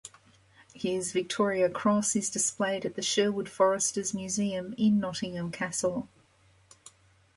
His Victoria Cross is displayed at the Sherwood Foresters Museum in Nottingham Castle.